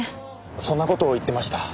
そんな事を言ってました。